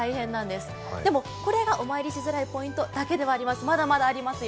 でも、これがお参りしづらいポイントだけではないです